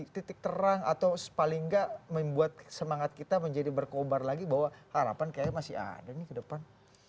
titik terang atau paling nggak membuat semangat kita menjadi berkobar lagi bahwa harapan kayaknya masih ada nih ke depan